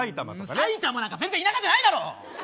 埼玉なんか全然田舎じゃないだろ！